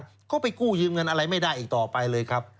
แล้วก็ไปกู้ยืมเงินอะไรไม่ได้อีกต่อไปเลยครับ